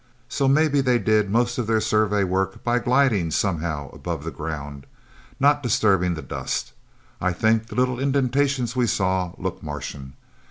So maybe they did most of their survey work by gliding, somehow, above the ground, not disturbing the dust... I think the little indentations we saw look Martian.